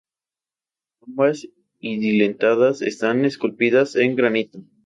Ambas adinteladas, están esculpidas en granito.